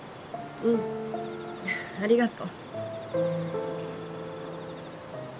うんありがと。